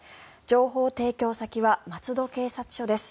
情報提供先は松戸警察署です。